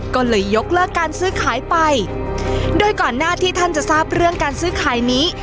ก็เลยยกเลิกการซื้อขายไปโดยก่อนหน้าที่ท่านจะทราบเรื่องการซื้อขายนี้